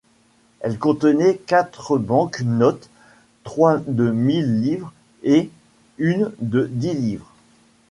Elle contenait quatre bank-notes, trois de mille livres et une de dix livres.